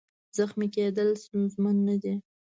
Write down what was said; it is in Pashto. زخمي کېدل ستونزمن نه دي.